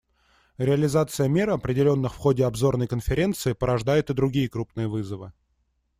Реализация мер, определенных в ходе обзорной Конференции, порождает и другие крупные вызовы.